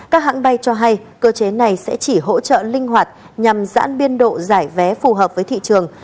các hãng bay cho hay cơ chế này sẽ chỉ hỗ trợ linh hoạt nhằm giãn biên độ giải vé phù hợp với thị trường